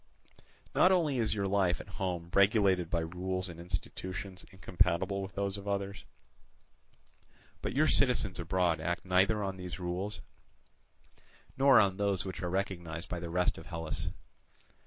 Not only is your life at home regulated by rules and institutions incompatible with those of others, but your citizens abroad act neither on these rules nor on those which are recognized by the rest of Hellas.